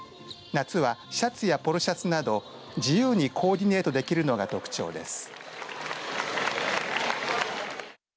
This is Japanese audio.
夏はシャツやポロシャツなど自由にコーディネートできるのが特徴です。